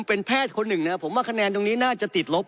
เป็นแพทย์คนหนึ่งนะครับผมว่าคะแนนตรงนี้น่าจะติดลบ